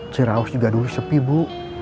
ciraus juga dulu sepi bu